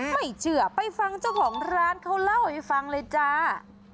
ไม่เชื่อไปฟังเจ้าของร้านเขาเล่าให้ฟังเลยจ้า